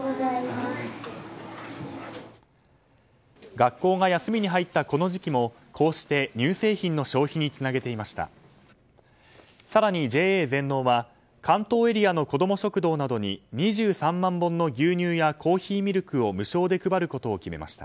学校が休みに入ったこの時期もこうして乳製品の消費につなげていました。